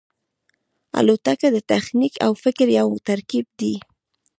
الوتکه د تخنیک او فکر یو ترکیب دی.